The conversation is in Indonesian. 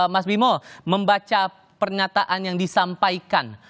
mas bimo membaca pernyataan yang disampaikan